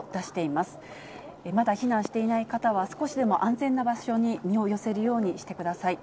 まだ避難していない方は、少しでも安全な場所に身を寄せるようにしてください。